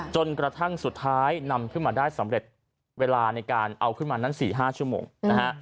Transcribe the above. จนกระทั่งสุดท้ายนำขึ้นมาได้สำเร็จเวลาในการเอาขึ้นมานั้น๔๕ชั่วโมงนะฮะ